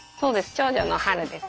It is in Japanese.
長女の美です。